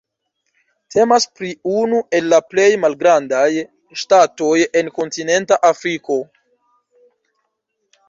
Temas pri unu el la plej malgrandaj ŝtatoj en kontinenta Afriko.